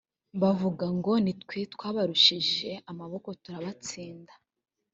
bavuga ngo ’ni twe twabarushije amaboko turabatsinda.